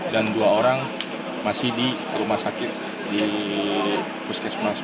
dan dua orang masih di rumah sakit di puskesmas